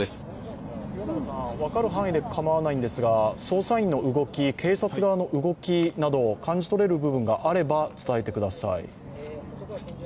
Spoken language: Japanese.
分かる範囲で構わないんですが、捜査員、警察側の動きで感じ取れる部分があれば、伝えてください。